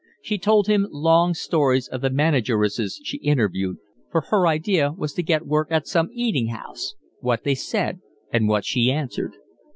She told him long stories of the manageresses she interviewed, for her idea was to get work at some eating house; what they said and what she answered.